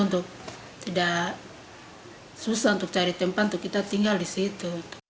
untuk tidak susah untuk cari tempat untuk kita tinggal di situ